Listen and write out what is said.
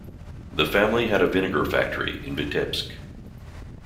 The family had a vinegar factory in Vitebsk.